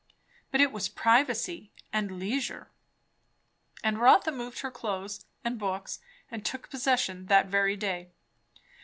But it was privacy and leisure; and Rotha moved her clothes and books and took possession that very day.